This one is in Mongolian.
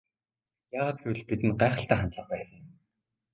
Яагаад гэвэл бидэнд гайхалтай хандлага байсан юм.